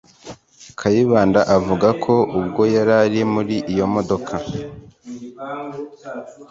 Kayibanda avuga ko ubwo yari muri iyo mudoka